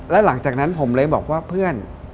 แล้วหลังจากนั้นผมเลยบอกว่าเพื่อน